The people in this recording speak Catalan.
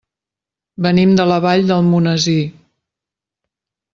Venim de la Vall d'Almonesir.